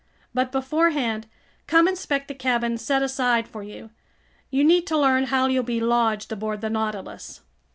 But beforehand, come inspect the cabin set aside for you. You need to learn how you'll be lodged aboard the Nautilus."